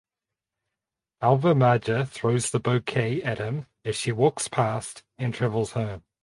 Elva Marja throws the bouquet at him as she walks past and travels home.